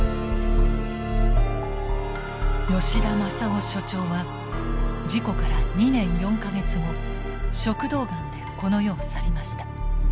吉田昌郎所長は事故から２年４か月後食道ガンでこの世を去りました。